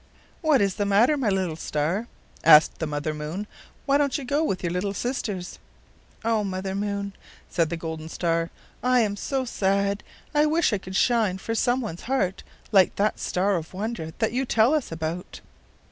"What is the matter, my little star?" asked the Mother Moon. "Why don't you go with your little sisters?" "Oh, Mother Moon," said the golden star. "I am so sad! I wish I could shine for some one's heart like that star of wonder that you tell us about."